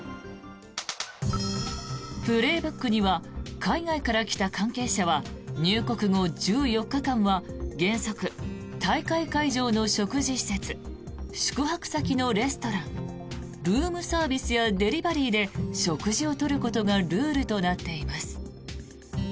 「プレーブック」には海外から来た関係者は入国後１４日間は原則大会会場の食事施設宿泊先のレストランルームサービスやデリバリーで食事を取ることがルールとなっています。